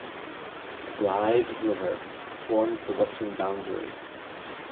The Blythe River forms the western boundary.